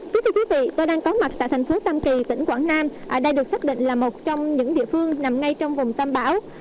kính chào quý vị tôi đang có mặt tại thành phố tam kỳ tỉnh quảng nam đây được xác định là một trong những địa phương nằm ngay trong vùng tâm bão